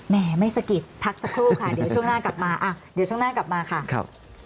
แหมไม่สะกิดพักสักครู่ค่ะเดี๋ยวช่วงหน้ากลับมาค่ะ